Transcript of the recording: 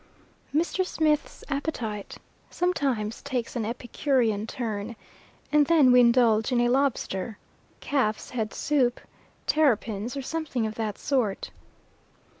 MR. SMITH'S appetite sometimes takes an epicurean turn, and then we indulge in a lobster, calf's head soup, terrapins, or something of that sort.